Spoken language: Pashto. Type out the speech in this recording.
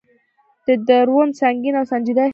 د ده دروند، سنګین او سنجیده احساس.